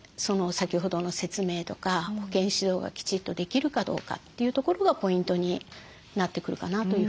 先ほどの説明とか保健指導がきちっとできるかどうかというところがポイントになってくるかなというふうに思います。